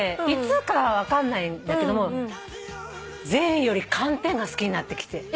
いつか分かんないんだけどもゼリーより寒天が好きになってきて。